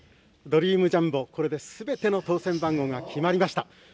ドリームジャンボ、これですべての当せん番号が決まりました。